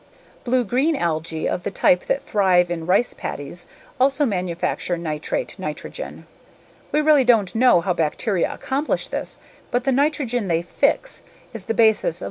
Blue green algae of the type that thrive in rice paddies also manufacture nitrate nitrogen. We really don't know how bacteria accomplish this but the nitrogen they "fix" is the basis of most proteins on earth.